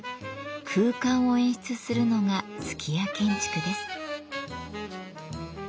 空間を演出するのが数寄屋建築です。